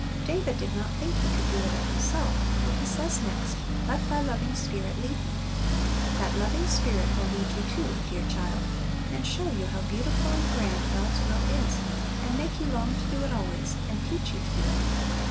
David did not think he could do it of himself, for he says next, "Let Thy loving Spirit lead me." That loving Spirit will lead you too, dear child, and show you how beautiful and grand God's will is, and make you long to do it always, and teach you to do it.